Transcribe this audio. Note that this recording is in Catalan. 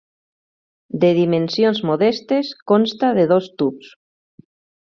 De dimensions modestes, consta de dos tubs.